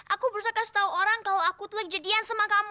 aku berusaha kasih tahu orang kalau aku telah jadian sama kamu